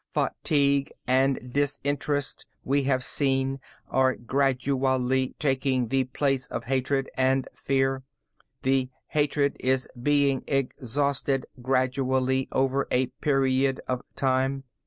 Fatigue and disinterest, we have seen, are gradually taking the place of hatred and fear. The hatred is being exhausted gradually, over a period of time.